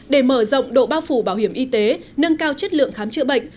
để mở rộng độ bao phủ bảo hiểm y tế nâng cao chất lượng khám chữa bệnh